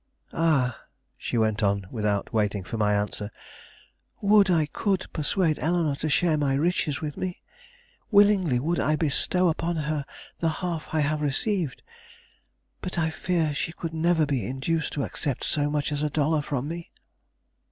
Ah," she went on, without waiting for my answer, "would I could persuade Eleanore to share my riches with me! Willingly would I bestow upon her the half I have received; but I fear she could never be induced to accept so much as a dollar from me."